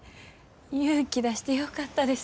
勇気出してよかったです。